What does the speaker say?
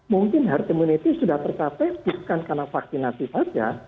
mungkin herd immunity sudah tercapai bukan karena vaksinasi saja